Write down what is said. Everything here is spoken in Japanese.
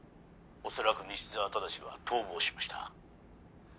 恐らく西澤正は逃亡しました。